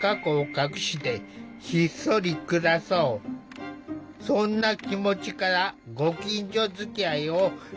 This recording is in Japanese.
そんな気持ちからご近所づきあいを避けてきた。